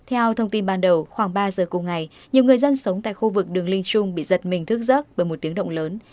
theo thông tin ban đầu khoảng ba giờ cùng ngày nhiều người dân sống tại khu vực đường linh trung bị giật mình thức giấc bởi một tiếng động lớn